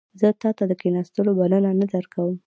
زه تا ته د کښیناستلو بلنه نه درکوم